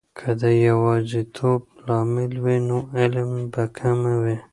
که د یواځیتوب لامل وي، نو علم به کمه وي.